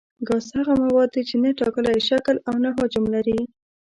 ګاز هغه مواد دي چې نه ټاکلی شکل او نه حجم لري.